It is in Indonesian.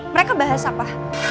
mereka bahas apa